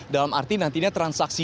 dalam arti nantinya transaksi